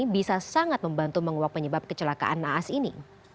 bisa sangat membantu menguap penyebab kecelakaan naas ini